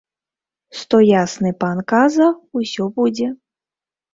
Сто ясны пан каза, усё будзе.